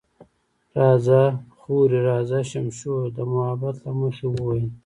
راځه خورې، راځه، شمشو د محبت له مخې وویل.